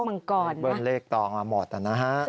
เลขเบิ้ลเลขต่อมาหมดนะฮะ